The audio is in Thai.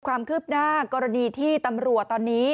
ความคืบหน้ากรณีที่ตำรวจตอนนี้